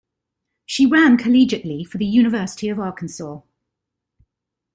She ran collegiately for the University of Arkansas.